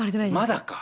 まだか。